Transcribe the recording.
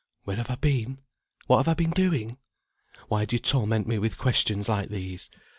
"Where have I been? What have I been doing? Why do you torment me with questions like these?